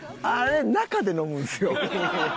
あれ中で飲むんですよ。